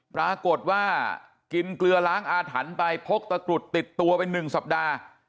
ปรากฏว่ากินเกลือล้างอาถรรพ์ไปพกตะกรุดติดตัวไป๑สัปดาห์